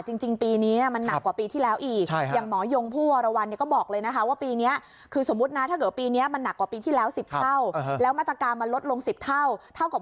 จริงปีนี้มันหนักกว่าปีที่แล้วอีก